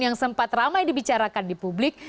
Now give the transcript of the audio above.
yang sempat ramai dibicarakan di publik